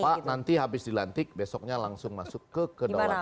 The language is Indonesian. pak nanti habis dilantik besoknya langsung masuk ke kedaulatan